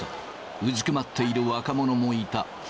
うずくまっている若者もいた。